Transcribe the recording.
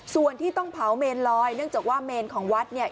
ส่วนที่ต้องเผาเมนลอยเนื่องจากว่าเมนของวัดเนี่ย